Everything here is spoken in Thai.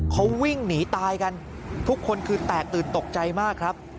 เขาวิ่งหนีตายกันทุกคนคือแตกตื่นตกใจมากครับ